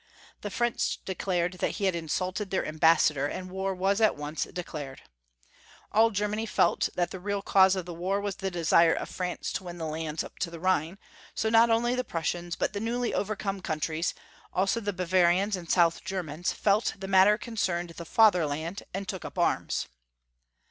The French declared that he had insulted their ambas sador, and war was at once declared. All Ger many felt that the real cause of the war was the desire of France to win the lands up to the Rliine ; so not only the Prussians, but the newly overcome countries, also the Bavarians and South Germans, felt the matter concerned the Fatherland, and took up arms.